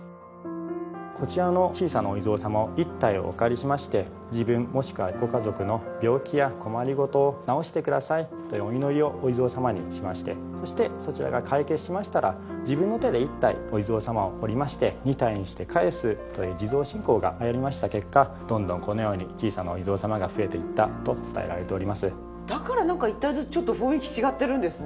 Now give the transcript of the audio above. こちらの小さなお地蔵様を１体お借りしまして自分もしくはご家族の病気や困り事を治してくださいとお祈りをお地蔵様にしましてそしてそちらが解決しましたら自分の手で１体お地蔵様を彫りまして２体にして返すという地蔵信仰が流行りました結果どんどんこのようにだからなんか１体ずつちょっと雰囲気違ってるんですね。